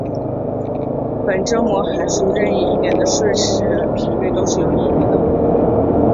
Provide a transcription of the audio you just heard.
本征模函数任意一点的瞬时频率都是有意义的。